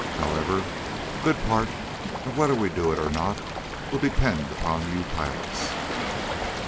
However, a good part of whether we do it or not will depend upon you pilots."